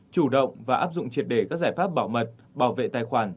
chủ động và áp dụng triệt để các giải pháp bảo mật bảo vệ tài khoản